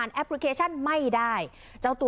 โดนสั่งแอป